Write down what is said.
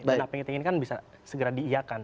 dan apa yang kita inginkan bisa segera diiyakan